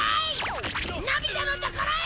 のび太のところへ！